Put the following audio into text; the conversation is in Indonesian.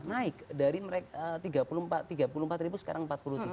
naik dari tiga puluh empat sekarang empat puluh tiga